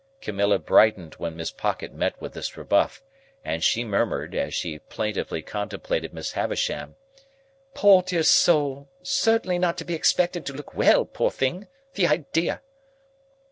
Camilla brightened when Miss Pocket met with this rebuff; and she murmured, as she plaintively contemplated Miss Havisham, "Poor dear soul! Certainly not to be expected to look well, poor thing. The idea!"